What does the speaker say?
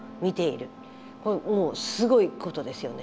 これもうすごいことですよね。